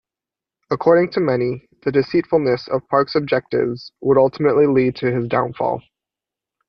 According to many, the deceitfulness of Park's objectives would ultimately lead to his downfall.